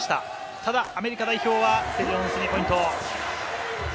ただアメリカ代表はセリオのスリーポイント。